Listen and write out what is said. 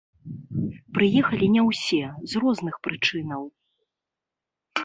Прыехалі не ўсе, з розных прычынаў.